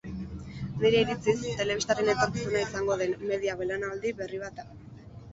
Nire iritziz, telebistaren etorkizuna izango den media belaunaldi berri bat da.